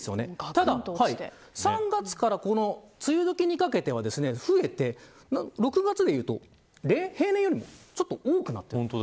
ただ３月から梅雨どきにかけては増えて６月は平年よりもちょっと多くなっています。